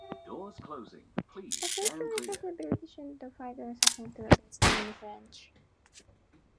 The French were requesting British divisions, and fighter squadrons to be based in France.